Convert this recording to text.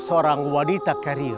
seorang wanita career